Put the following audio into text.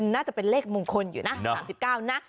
น่าจะเป็นเลขมงคลอยู่นะ๓๙นะ